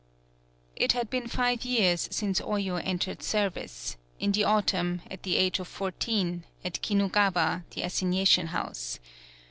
It had been five years since Oyo en tered service, in the autumn, at the age of fourteen, at Kinugawa, the assigna tion house.